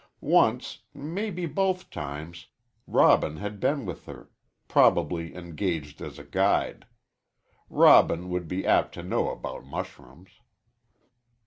Once maybe both times Robin had been with her probably engaged as a guide. Robin would be apt to know about mushrooms.